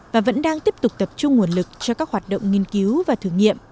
và vẫn đang tiếp tục tập trung nguồn lực cho các hoạt động nghiên cứu và thử nghiệm